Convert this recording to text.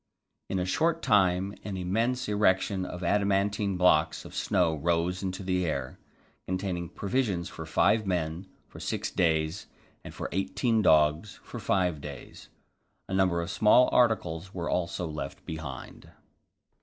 In a short time an immense erection of adamantine blocks of snow rose into the air, containing provisions for five men for six days and for eighteen dogs for five days. A number of small articles were also left behind.